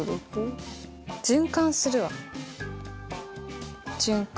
循環するわ循環。